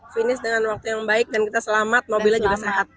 finish dengan waktu yang baik dan kita selamat mobilnya juga sehat